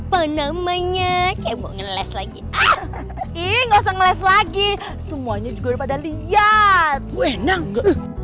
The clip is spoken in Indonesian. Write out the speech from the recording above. apa namanya cewek ngeles lagi ah ii ngosong les lagi semuanya juga pada lihat benang